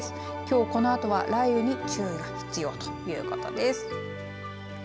きょうこのあとは雷雨に注意が必要ということです。